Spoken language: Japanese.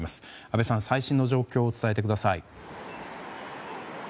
阿部さん、最新の状況を伝えてください。